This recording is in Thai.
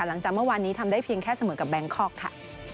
หลังจากเมื่อวานนี้ทำได้เพียงแค่เสมอกับแบงคอกค่ะ